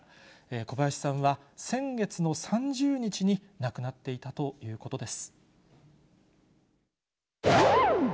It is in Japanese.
小林さんは先月の３０日に亡くなっていたということです。